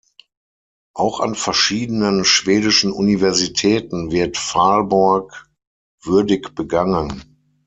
Auch an verschiedenen schwedischen Universitäten wird Valborg würdig begangen.